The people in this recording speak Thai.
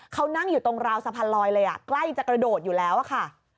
เขานั่งอยู่ตรงราวสะพานลอยเลยใกล้จะกระโดดอยู่แล้วอะค่ะ